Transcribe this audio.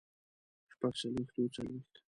شپږ څلوېښت اووه څلوېښت